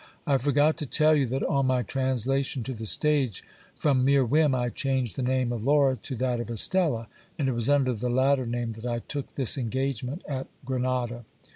I forgot to tell you that on my translation to the stage, from mere whim, I changed the name of Laura to that of Estella ; and it was under the latter name that I took this engagement at Grenada.